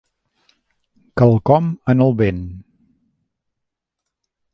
Quelcom en el vent